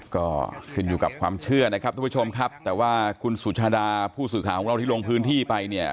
ก็ขึ้นอยู่กับความเชื่อนะครับทุกผู้ชมครับแต่ว่าคุณสุชาดาผู้สื่อข่าวของเราที่ลงพื้นที่ไปเนี่ย